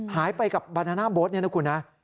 หายไปกับบานาน่าโบ๊ทเนี่ยนะคุณนะ